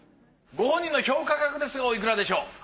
ご本人の評価額ですがおいくらでしょう。